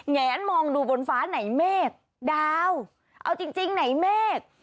แนนมองดูบนฟ้าไหนเมฆดาวเอาจริงจริงไหนเมฆ